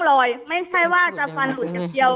แต่คุณยายจะขอย้ายโรงเรียน